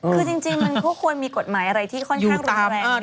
คือจริงมันก็ควรมีกฎหมายอะไรที่ค่อนข้างรุนแรง